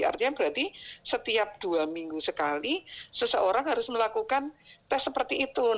artinya berarti setiap dua minggu sekali seseorang harus melakukan tes seperti itu